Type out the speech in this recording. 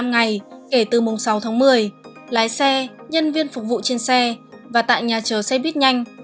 một mươi ngày kể từ mùng sáu tháng một mươi lái xe nhân viên phục vụ trên xe và tại nhà chờ xe buýt nhanh